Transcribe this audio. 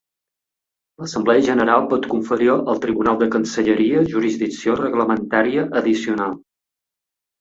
L'Assemblea General pot conferir al Tribunal de Cancelleria jurisdicció reglamentària addicional.